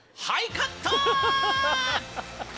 カット！